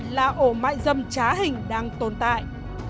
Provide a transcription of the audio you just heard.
là ổ mại dâm trá hình đang tồn tại